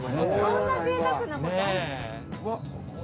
こんなぜいたくなことある？